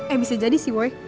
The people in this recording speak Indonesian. eh bisa jadi sih woy